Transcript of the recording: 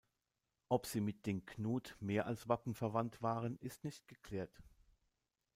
Ob sie mit den Knuth mehr als wappenverwandt waren, ist nicht geklärt.